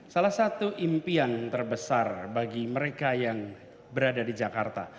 salah satu impian terbesar bagi mereka yang berada di jakarta